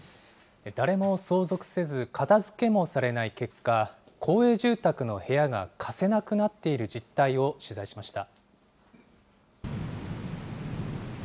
誰も相続せず、片づけもされない結果、公営住宅の部屋が貸せなくなっている実態を取材しました。